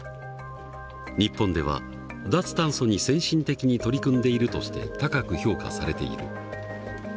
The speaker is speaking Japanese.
日本では脱炭素に先進的に取り組んでいるとして高く評価されている。